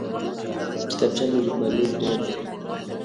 کتابچه د لیکوالۍ پیل دی